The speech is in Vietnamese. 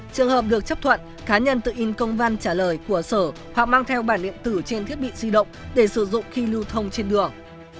trường hợp được chấp thuận cá nhân tự in công văn trả lời của sở hoặc mang theo bản điện tử trên thiết bị di động để sử dụng khi lưu thông trên đường